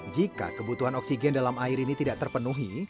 jika kebutuhan oksigen dalam air ini tidak terpenuhi